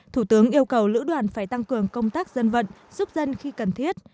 thủ tướng yêu cầu lữ đoàn phải tăng cường công tác dân vận giúp dân khi cần thiết